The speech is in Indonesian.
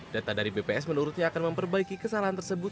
data dari bps menurutnya akan memperbaiki kesalahan tersebut